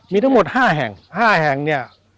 มีทั้งหมด๕แห่ง๕แห่งเนี่ย